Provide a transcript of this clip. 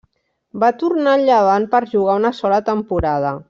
Va tornar al Llevant per jugar una sola temporada.